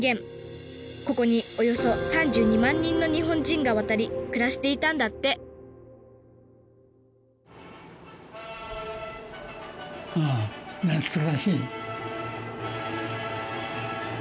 ここにおよそ３２万人の日本人が渡り暮らしていたんだってああ懐かしい。